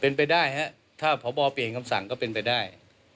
เป็นไปได้ฮะถ้าพบเปลี่ยนคำสั่งก็เป็นไปได้